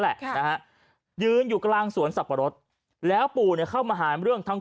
แหละนะฮะยืนอยู่กลางสวนสับปะรดแล้วปู่เนี่ยเข้ามาหาเรื่องทั้ง